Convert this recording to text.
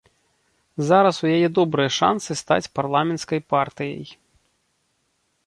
Зараз у яе добрыя шансы стаць парламенцкай партыяй.